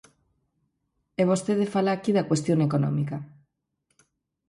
E vostede fala aquí da cuestión económica.